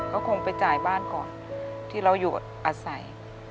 ก็คงไปจ่ายบ้านก่อนที่เราอยู่อาศัย